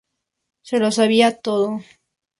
Se lo sabía todo.